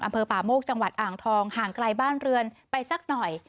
อำเภอป่าโมกจังหวัดอ่างทองห่างไกลบ้านเรือนไปสักหน่อย